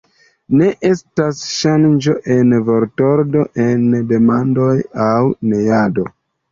Ne estas ŝanĝo en vortordo en demandoj aŭ neado.